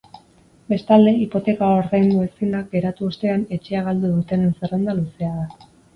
Bestalde, hipoteka ordaindu ezinda geratu ostean etxea galdu dutenen zerrenda luzea da.